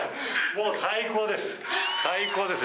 もう最高です。